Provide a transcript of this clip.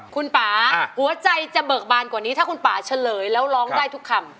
คุณป่าหัวใจจะเบิกบานกว่านี้ถ้าคุณป่าเฉลยแล้วร้องได้ทุกคำ